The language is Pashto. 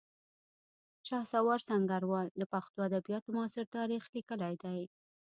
شهسوار سنګروال د پښتو ادبیاتو معاصر تاریخ لیکلی دی